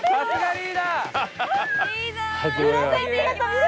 リーダー！